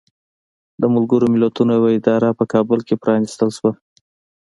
د ملګرو ملتونو یوه اداره په کابل کې پرانستل شوه.